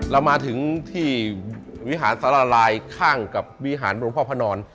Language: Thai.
เรามาถึงที่วิหารสารลายข้างกับวิหารหลวงพ่อพระนอน